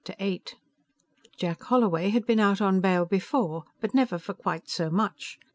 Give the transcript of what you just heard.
VIII Jack Holloway had been out on bail before, but never for quite so much.